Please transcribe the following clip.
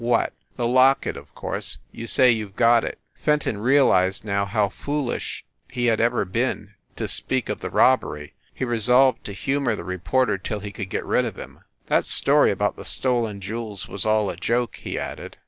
"What?" "The locket, of course. You say you ve got it." Fenton realized now how foolish he had been ever THE REPORTER OF "THE ITEM" 99 to speak of the robbery. He resolved to humor the reporter till he could get rid of him. "That story about the stolen jewels was all a joke," he added.